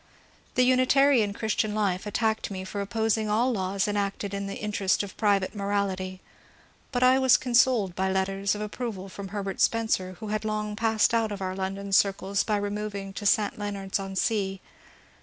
The Unitarian " Christian Life " attacked me for opposing all laws enacted in the interest of private morality, but I was consoled by letters of approval from Herbert Spencer, who had long passed out of our London circles by removing to St. Leon ards on Sea.